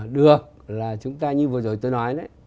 được là chúng ta như vừa rồi tôi nói đấy